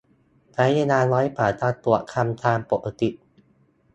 ใช้เวลาน้อยกว่าการตรวจคำตามปกติ